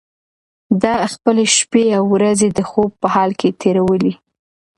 ده خپلې شپې او ورځې د خوب په حال کې تېرولې.